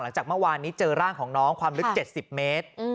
หลังจากเมื่อวานนี้เจอร่างของน้องความลึก๗๐เมตร